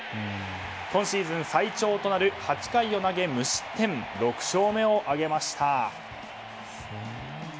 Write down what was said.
今シーズン最長となる８回を投げ無失点６勝目を挙げました。